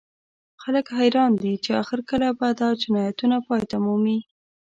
خلک حیران دي چې اخر کله به دا جنایتونه پای مومي